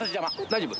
大丈夫？